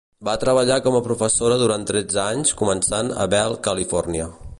Va treballar com a professora durant tretze anys, començant a Bell, Califòrnia.